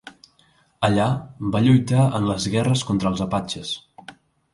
Allà, va lluitar en les guerres contra els apatxes.